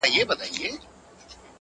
له سنگر څخه سنگر ته خوځېدلی-